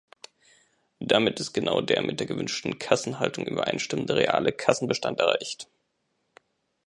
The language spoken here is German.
Damit ist genau der mit der gewünschten Kassenhaltung übereinstimmende reale Kassenbestand erreicht.